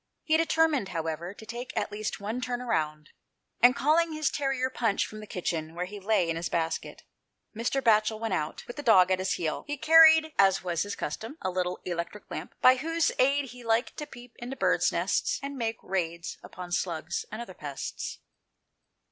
He determined, however, to take at least one turn round, and calling his terrier Punch from the kitchen, where he lay in his basket, Mr. Batchel went out, with the dog at his heel. He carried, as his custom was, a little electric lamp, by whose aid he liked to peep into birds' nests, and make raids upon slugs and other pests.